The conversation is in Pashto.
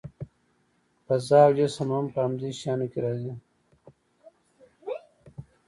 فضا او جسم هم په همدې شیانو کې راځي.